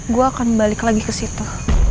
gue akan balik lagi ke situ